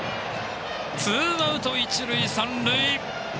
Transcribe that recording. ツーアウト、一塁三塁。